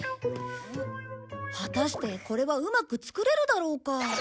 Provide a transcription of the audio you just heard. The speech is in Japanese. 果たしてこれはうまく作れるだろうか？